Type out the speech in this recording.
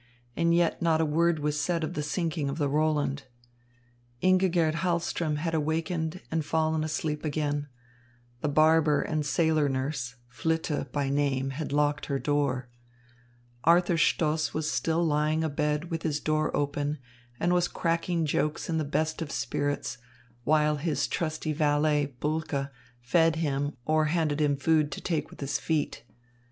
And yet not a word was said of the sinking of the Roland. Ingigerd Hahlström had awakened and fallen asleep again. The barber and sailor nurse, Flitte by name, had locked her door. Arthur Stoss was still lying abed with his door open and was cracking jokes in the best of spirits, while his trusty valet, Bulke, fed him or handed him food to take with his feet.